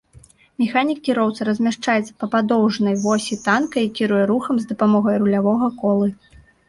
Механік-кіроўца размяшчаецца па падоўжнай восі танка і кіруе рухам з дапамогай рулявога колы.